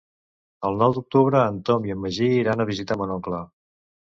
El nou d'octubre en Tom i en Magí iran a visitar mon oncle.